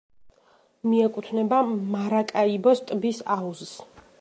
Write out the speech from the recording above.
მიეკუთვნება მარაკაიბოს ტბის აუზსს.